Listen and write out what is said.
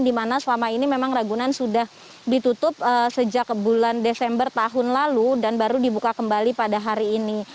di mana selama ini memang ragunan sudah ditutup sejak bulan desember tahun lalu dan baru dibuka kembali pada hari ini